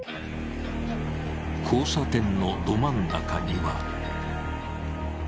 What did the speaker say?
交差点のど真ん中には。